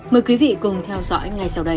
mời quý vị cùng theo dõi ngay sau đây